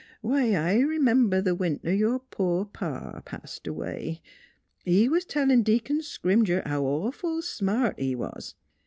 Why, I r'member th' winter your poor pa passed away. He was tellin' Deacon Scrimger how awful smart he was.